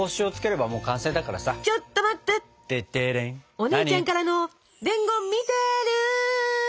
お姉ちゃんからの伝言見てる？